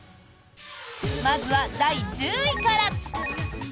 まずは第１０位から。